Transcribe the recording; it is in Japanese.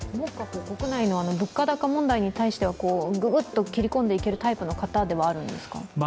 国内の物価高問題に対してはぐっと切り込んでいけるタイプの方ではあるんですか？